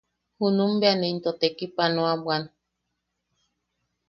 Junum bea ne into tekipanoa bwan.